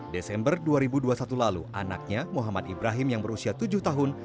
desember dua ribu dua puluh satu lalu anaknya muhammad ibrahim yang berusia tujuh tahun